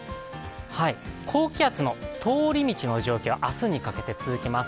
高気圧の通り道の状況は明日にかけて続きます。